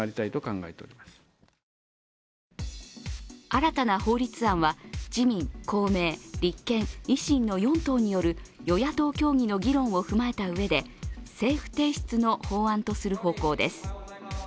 新たな法律案は、自民・公明・立憲・維新の４党による与野党協議の議論を踏まえたうえで政府提出の法案とする方向です。